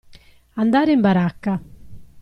Andare in baracca.